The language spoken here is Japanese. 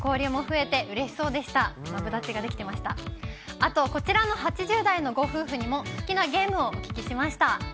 あとこちらの８０代のご夫婦にも、好きなゲームをお聞きしました。